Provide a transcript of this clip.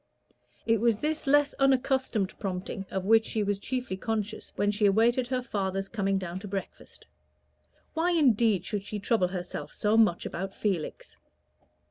It was this less unaccustomed prompting of which she was chiefly conscious when she awaited her father's coming down to breakfast. Why, indeed, should she trouble herself so much about Felix?